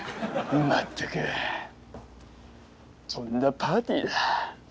まったくとんだパーティーだ。